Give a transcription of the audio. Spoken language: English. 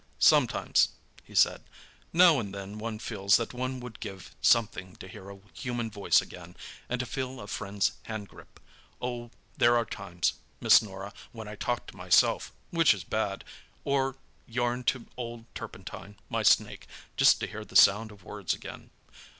"Sometimes," he said. "Now and then one feels that one would give something to hear a human voice again, and to feel a friend's hand grip. Oh, there are times, Miss Norah, when I talk to myself—which is bad—or yarn to old Turpentine, my snake, just to hear the sound of words again.